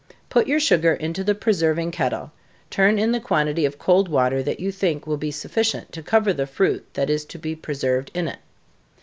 _ Put your sugar into the preserving kettle, turn in the quantity of cold water that you think will be sufficient to cover the fruit that is to be preserved in it.